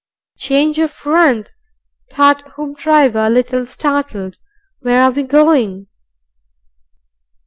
"Change of front," thought Hoopdriver, a little startled. "Where are we going?"